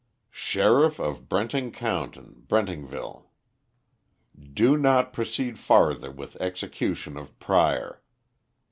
"Sheriff of Brenting County, Brentingville. "Do not proceed further with execution of Prior.